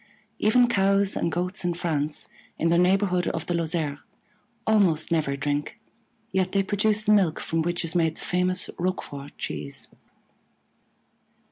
Even Cows and Goats in France, in the neighborhood of the Lozère, almost never drink, yet they produce the milk from which is made the famous Roquefort cheese.